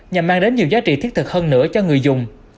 nhằm mang đến nhiều giá trị thiết thực hơn nữa cho người dùng